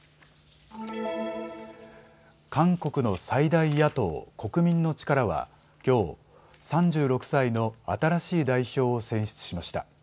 韓国の最大野党、国民の力はきょう３６歳の新しい代表を選出しました。